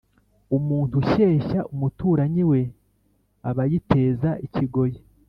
umuntu ushyeshya umuturanyi we abayiteza ikigoyi